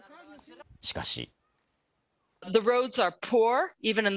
しかし。